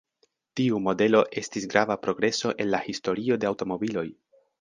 Tiu modelo estis grava progreso en la historio de aŭtomobiloj.